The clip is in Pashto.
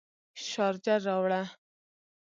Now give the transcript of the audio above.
شارجر راوړه